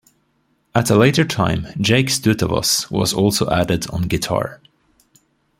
At a later time, Jake Stutevoss was also added on guitar.